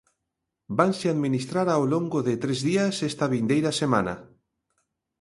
Vanse administrar ao longo de tres días esta vindeira semana.